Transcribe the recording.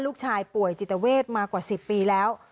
ลูกชายป่วยจิตเวทมากว่า๑๐ปีแล้ว